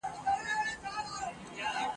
ماته مو بېړۍ ده له توپان سره به څه کوو !.